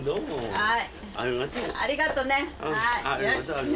はい。